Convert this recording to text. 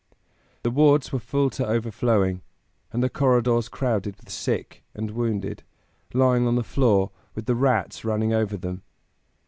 " The wards were full to overflowing, and the corridors crowded with sick and wounded, lying on the floor, with the rats running over them.